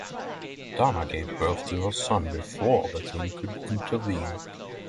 Donna gave birth to her son before the team could intervene.